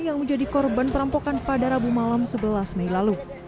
yang menjadi korban perampokan pada rabu malam sebelas mei lalu